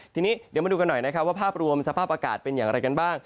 ทีนี้เดี๋ยวมาดูกันหน่อยนะครับว่าภาพรวมสภาพอากาศเป็นอย่างไรกันบ้าง